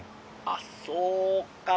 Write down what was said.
「あっそうか！